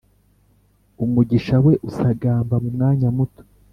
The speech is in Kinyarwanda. umugisha we usagamba mu mwanya muto